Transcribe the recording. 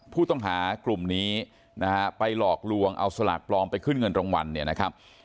ผู้ต้องหากลุ่มนี้นะฮะไปหลอกลวงเอาสลากปลอมไปขึ้นเงินรางวัลเนี่ยนะครับ